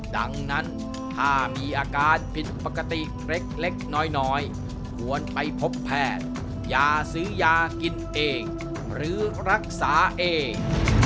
ดังนั้นถ้ามีอาการผิดปกติเล็กน้อยควรไปพบแพทย์อย่าซื้อยากินเองหรือรักษาเอง